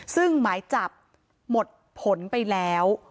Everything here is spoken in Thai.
ซึ่งหมายจับหมดผลไปแล้ว